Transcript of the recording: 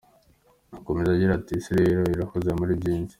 Yakomeje agira ati "Isi rero irahuze muri byinshi.